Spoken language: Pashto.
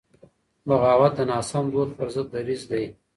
بغاوت د ناسم دود پر ضد دریځ دی.